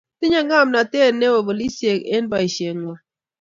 Tinyei ng'omnotet neoo polisiek eng' boisheng'wang'.